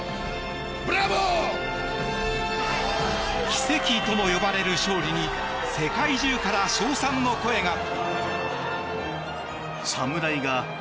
奇跡とも呼ばれる勝利に世界中から称賛の声が。